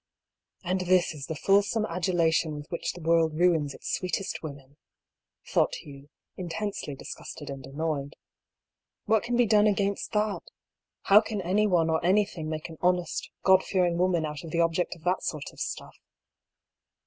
" And this is the fulsome adulation with which the world ruins its sweetest women I " thought Hugh, in tensely disgusted and annoyed. " What can be done against that ? How can anyone or anything make an honest, God fearing woman out of the object of that sort of stuff?"